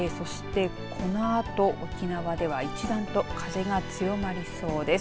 そしてこのあと沖縄では一段と風が強まりそうです。